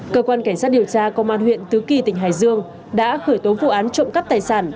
cơ quan cảnh sát điều tra công an huyện tứ kỳ tỉnh hải dương đã khởi tố vụ án trộm cắp tài sản